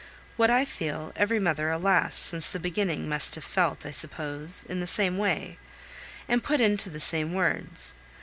What I feel, every mother, alas! since the beginning must have felt, I suppose, in the same way, and put into the same words.